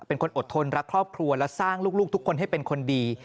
เป็นคนอดทนรักครอบครัวและสร้างลูกทุกคนให้เป็นคนดี